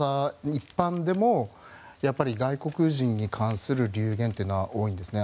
一般でも外国人に関する流言というのは多いんですね。